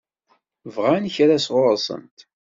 Bɣan kra sɣur-sent?